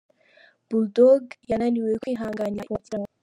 Bull Dogg yananiwe kwihanganira ifungwa ry'igitaramo.